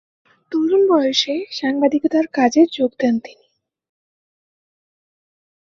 তরুন বয়েসে সাংবাদিকতার কাজে যোগ দেন তিনি।